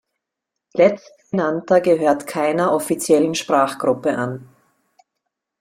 Letztgenannter gehört keiner offiziellen Sprachgruppe an.